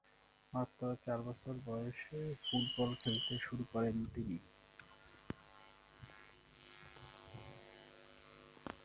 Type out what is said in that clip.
মাত্র চার বছর বয়সে ফুটবল খেলতে শুরু করেন তিনি।